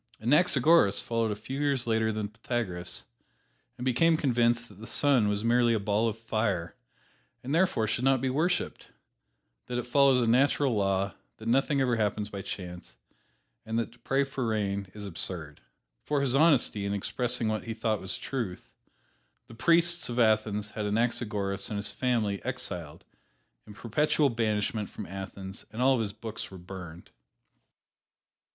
Anaxagoras followed a few years later than Pythagoras, and became convinced that the sun was merely a ball of fire and therefore should not be worshiped; that it follows a natural law, that nothing ever happens by chance, and that to pray for rain is absurd. For his honesty in expressing what he thought was truth, the priests of Athens had Anaxagoras and his family exiled to perpetual banishment from Athens and all of his books were burned.